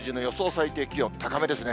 最低気温、高めですね。